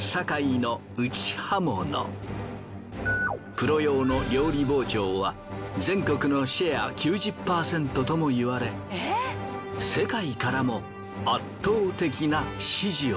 プロ用の料理包丁は全国のシェア９０％とも言われ世界からも圧倒的な支持を。